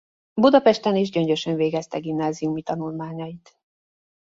Budapesten és Gyöngyösön végezte gimnáziumi tanulmányait.